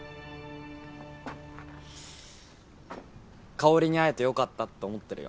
香に会えて良かったと思ってるよ。